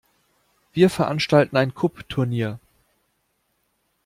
Wir veranstalten ein Kubb-Turnier.